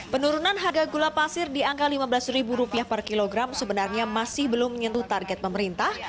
penurunan harga gula pasir di angka lima belas per kilogram sebenarnya masih belum menyentuh target pemerintah